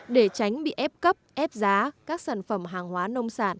để tránh bị ép cấp ép giá các sản phẩm hàng hóa nông sản